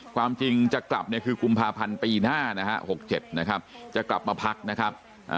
ความจริงจะกลับเนี่ยคือกุมภาพันธ์ปีหน้านะฮะ๖๗นะครับจะกลับมาพักนะครับ